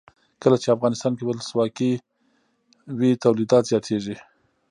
کله چې افغانستان کې ولسواکي وي تولیدات زیاتیږي.